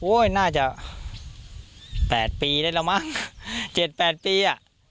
โอ้ยน่าจะ๘ปีได้แล้วมั้ง๗๘ปี